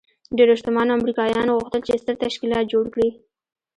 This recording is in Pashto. ډېرو شتمنو امريکايانو غوښتل چې ستر تشکيلات جوړ کړي.